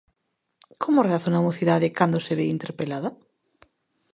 Como reacciona a mocidade cando se ve interpelada?